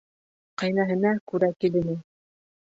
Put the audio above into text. Ҡәйнәһенә күрә килене.